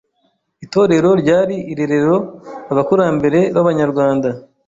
Itorero ryari irerero abakurambere b’Abanyarwanda